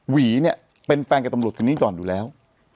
วีเนี่ยเป็นแฟนกับตำรวจคนนี้ก่อนอยู่แล้ว